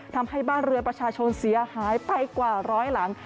ทำให้บ้านเรือประชาชนเสียหายไปกว่าร้อยหลัง